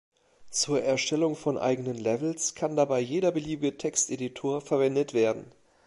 Zur Erstellung von eigenen Levels kann dabei jeder beliebige Texteditor verwendet werden.